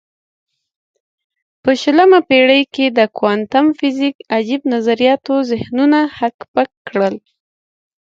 په شلمه پېړۍ کې د کوانتم فزیک عجیب نظریاتو ذهنونه هک پک کړل.